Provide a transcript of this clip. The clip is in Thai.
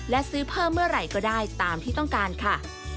และซื้อเพิ่มเมื่อไหร่ก็ได้ตามที่ต้องการค่ะ